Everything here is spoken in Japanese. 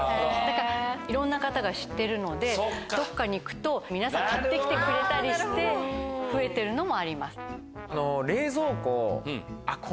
いろんな方が知ってるのでどっかに行くと皆さん買って来てくれたりして増えてるのもあります。と思って。